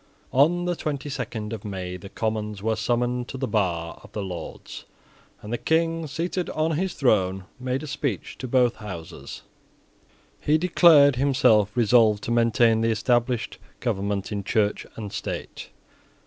On the twenty second of May the Commons were summoned to the bar of the Lords; and the King, seated on his throne, made a speech to both Houses. He declared himself resolved to maintain the established government in Church and State.